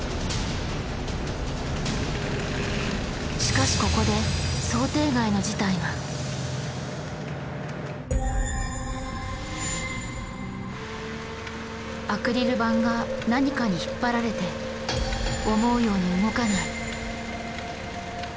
しかしここでアクリル板が何かに引っ張られて思うように動かない。